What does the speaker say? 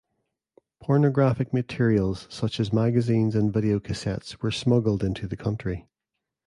Pornographic materials such as magazines and videocassettes were smuggled into the country.